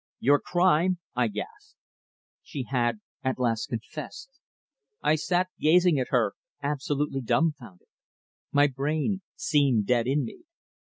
"Your crime!" I gasped. She had at last confessed. I sat gazing at her absolutely dumbfounded. My brain seemed dead in me.